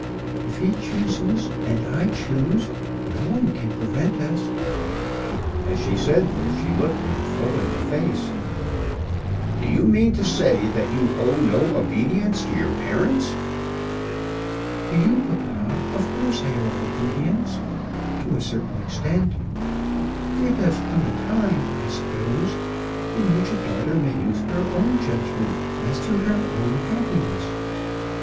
If he choose, and I choose, no one can prevent us." As she said this she looked him full in the face. "Do you mean to say that you owe no obedience to your parents?" "To you, papa, of course I owe obedience, to a certain extent. There does come a time, I suppose, in which a daughter may use her own judgment as to her own happiness."